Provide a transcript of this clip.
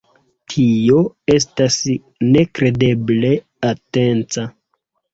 Tio estas nekredeble atenca.